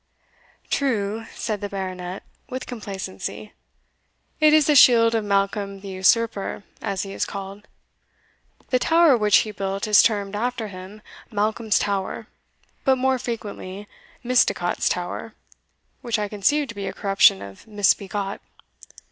"True," said the Baronet, with complacency "it is the shield of Malcolm the Usurper, as he is called. The tower which he built is termed, after him, Malcolm's Tower, but more frequently Misticot's Tower, which I conceive to be a corruption for Misbegot.